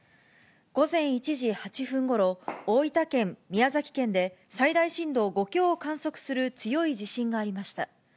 午前１時８分ごろ、大分県、宮崎県で、最大震度５強を観測する強い地震がありました。